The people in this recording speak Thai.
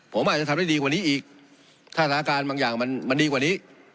ผมอาจจะทำได้ดีกว่านี้อีกถ้าสถานการณ์บางอย่างมันมันดีกว่านี้